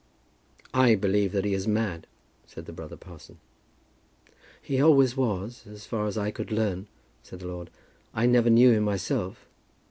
"I believe that he is mad," said the brother parson. "He always was, as far as I could learn," said the lord. "I never knew him, myself.